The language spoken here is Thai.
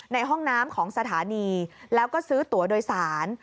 ในห้องน้ำของสถานีแล้วก็ซื้อตัวโดยสาร